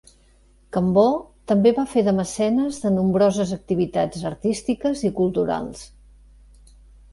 Cambó també va fer de mecenes de nombroses activitats artístiques i culturals.